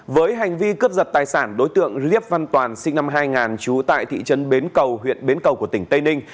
với hành vi cướp giật tài sản đối tượng liếp văn toàn sinh năm hai nghìn trú tại thị trấn bến cầu huyện bến cầu của tỉnh tây ninh